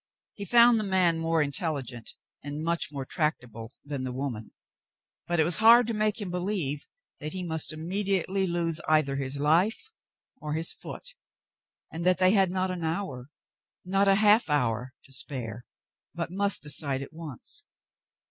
He fourxi the man more intelligent and much more tractable than the woman, but it was hard to make him believe that he must inevitably lose either his life or his foot, and that they had not an hour — not a half hour — to spare, but must decide at once.